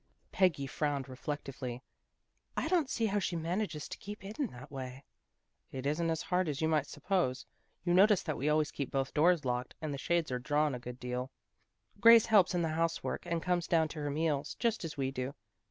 Peggy frowned reflectively. " I don't see how she manages to keep hidden that way." " It isn't as hard as you might suppose. You notice that we always keep both doors locked, and the shades are drawn a good deal. Grace helps in the housework, and comes down to her meals, just as we do.